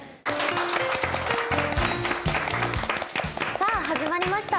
さぁ始まりました